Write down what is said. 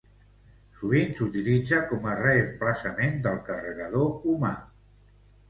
Sovint s'utilitza com a reemplaçament del carregador humà.